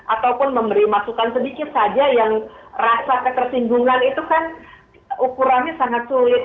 ataupun memberi masukan sedikit saja yang rasa ketersinggungan itu kan ukurannya sangat sulit